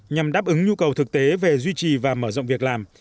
nhằm đáp ứng nhu cầu thực tế về duy trì và mở rộng việc làm